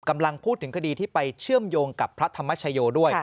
กำลังพูดถึงคดีที่ไปเชื่อมโยงกับพระธรรมชโยด้วย